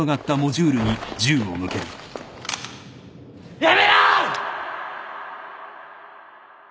やめろ！